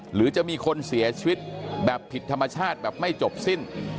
หรือจะมีคนเสียชีวิตแบบผิดธรรมชาติแบบไม่จบสิ้น